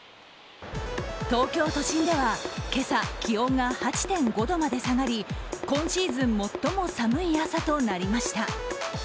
東京都心では今朝、気温が８．５度まで下がり今シーズン最も寒い朝となりました。